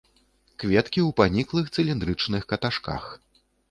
Кветкі ў паніклых цыліндрычных каташках.